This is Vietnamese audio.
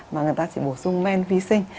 mà người ta chỉ bổ sung men vi sinh